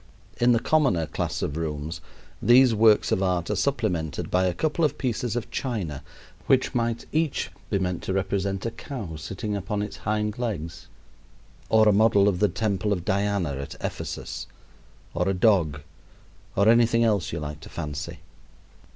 In the commoner class of rooms these works of art are supplemented by a couple of pieces of china which might each be meant to represent a cow sitting upon its hind legs, or a model of the temple of Diana at Ephesus, or a dog, or anything else you like to fancy.